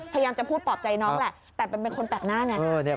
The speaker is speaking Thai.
พยายามจะพูดปลอบใจน้องแหละแต่เป็นคนแปลกหน้าไง